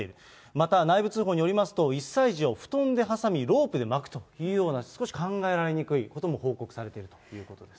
また内部通報によりますと、１歳児を布団で挟みロープで巻くというような、少し考えられにくい報告されているということです。